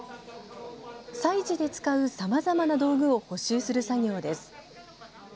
祭事で使うさまざまな道具を補修する作業です。